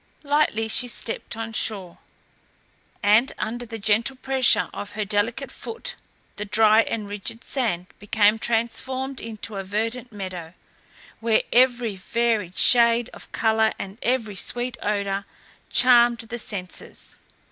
Lightly she stepped on shore, and under the gentle pressure of her delicate foot the dry and rigid sand became transformed into a verdant meadow, where every varied shade of colour and every sweet odour charmed the senses.